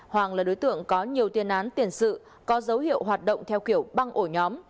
hoàng là đối tượng có nhiều tiền án tiền sự có dấu hiệu hoạt động theo kiểu băng ổ nhóm